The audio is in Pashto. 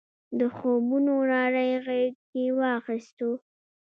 د خوبونو نړۍ غېږ کې واخیستو.